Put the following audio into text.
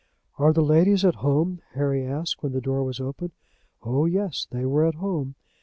"Are the ladies at home?" Harry asked, when the door was opened. Oh, yes; they were at home.